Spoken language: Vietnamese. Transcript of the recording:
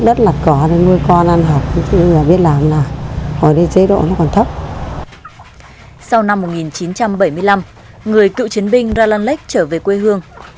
sau năm một nghìn chín trăm bảy mươi năm người cựu chiến binh ra lanlek trở về quê hương